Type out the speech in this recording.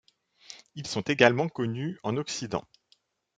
Ils sont également connus en Occident.